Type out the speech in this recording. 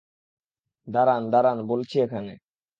দাঁড়ান, দাঁড়ান বলছি এখানে!